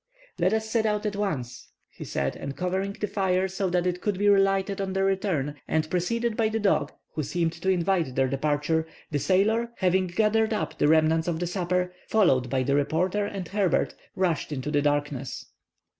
"Let us set out at once," he said; and covering the fire so that it could be relighted on their return, and preceded by the dog, who seemed to invite their departure, the sailor, having gathered up the remnants of the supper, followed by the reporter and Herbert, rushed into the darkness.